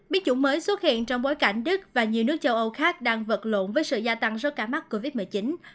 biến chủng mới xuất hiện trong bối cảnh đức và nhiều nước châu âu khác đang vật lộn với sự gia tăng rốt cả mắt covid một mươi chín